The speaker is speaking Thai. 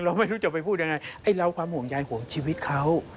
ไม่รู้จะไปพูดยังไงไอ้เราความห่วงใยห่วงชีวิตเขา